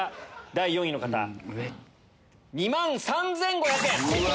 第４位の方２万３５００円。